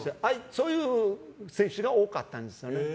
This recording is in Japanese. そういう選手が多かったんですよ。